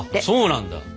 そうなんだ。